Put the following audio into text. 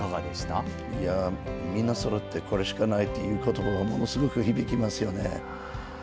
みんなそろってこれしかないということすごく響きますよね。